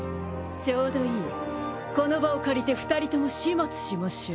ちょうどいいこの場を借りて２人とも始末しましょう。